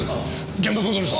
現場戻るぞ。